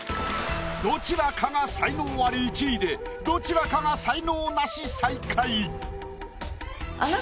どちらかが才能アリ１位でどちらかが才能ナシ最下位。